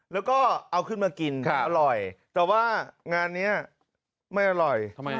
แล้วก็เอาขึ้นมากินอร่อยแต่ว่างานนี้ไม่อร่อย